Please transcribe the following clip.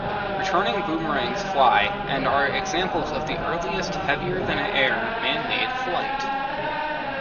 Returning boomerangs fly and are examples of the earliest heavier-than-air man-made flight.